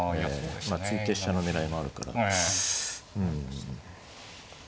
突いて飛車の狙いもあるから。